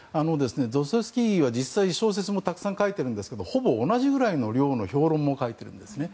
ドストエフスキーは実際、小説もたくさん書いているんですがほぼ同じぐらいの量の評論も書いていますね。